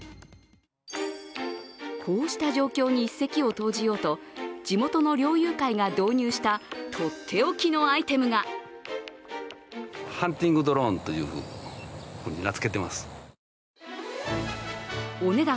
こうした状況に一石を投じようと地元の猟友会が導入したとっておきのアイテムがお値段